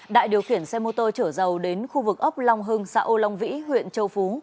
đại điều khiển xe mô tô chở dầu đến khu vực ốc long hưng xã âu long vĩ huyện châu phú